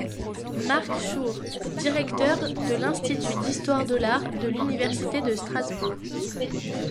Marc Schurr, directeur de l'Institut d'histoire de l'art de l'université de Strasbourg.